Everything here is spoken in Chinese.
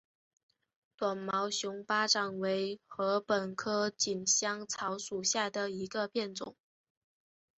短毛熊巴掌为禾本科锦香草属下的一个变种。